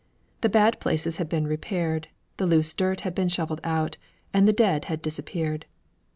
The bad places had been repaired, the loose dirt had been shoveled out, and the dead had disappeared.